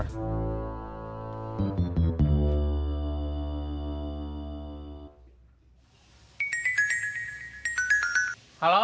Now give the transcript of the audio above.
pertanyaan pertama apa kamu ngerti